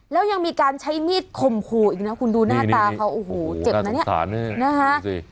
แล้วยังมีการใช้มีดข่มขู่อีกนะคุณดูหน้าตาเขาโอ้โหเจ็บนะเนี่ยนะฮะ